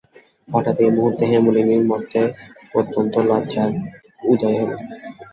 হঠাৎ এই মুহূর্তে হেমনলিনীর মতে অত্যন্ত লজ্জার উদয় হইল।